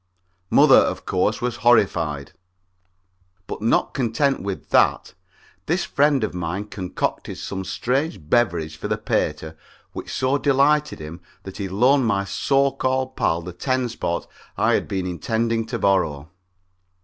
Mother, of course, was horrified. But not content with that, this friend of mine concocted some strange beverage for the pater which so delighted him that he loaned my so called pal the ten spot I had been intending to borrow.